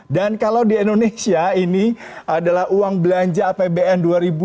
dan kalau di indonesia ini adalah uang belanja apbn dua ribu dua puluh dua